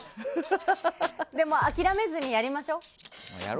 でも、諦めずにやりましょグルメは。